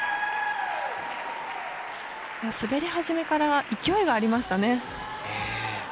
滑り始めから勢いがありましね。